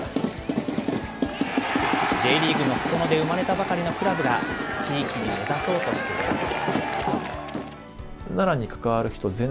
Ｊリーグのすそ野で生まれたばかりのクラブが、地域に根ざそうとしています。